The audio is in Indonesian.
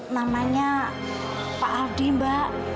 namanya pak aldi mbak